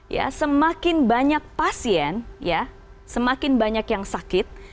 ya semakin banyak pasien ya semakin banyak yang sakit